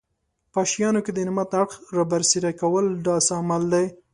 په شیانو کې د نعمت اړخ رابرسېره کول داسې عمل دی.